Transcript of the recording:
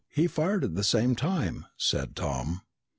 He fired at the same time!" said Tom.